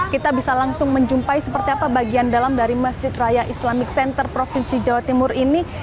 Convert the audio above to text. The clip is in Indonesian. kita bisa langsung menjumpai bagian dalam dari masjid raya islamic center provinsi jawa timur ini